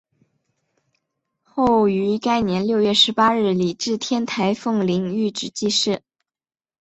后于该年六月十八日礼置天台奉领玉旨济世。